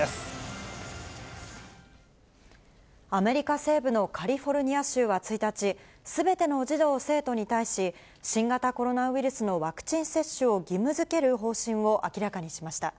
アメリカ西部のカリフォルニア州は１日、すべての児童・生徒に対し、新型コロナウイルスのワクチン接種を義務づける方針を明らかにしました。